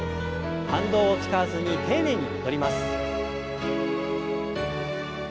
反動を使わずに丁寧に戻ります。